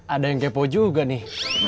ada yang kepo juga nih